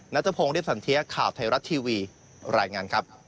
นัทพงศ์เรียบสันเทียข่าวไทยรัฐทีวีรายงานครับ